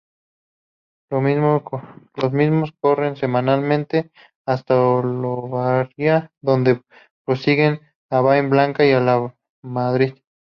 Los mismos corren semanalmente hasta Olavarría, donde prosiguen a Bahía Blanca vía La Madrid.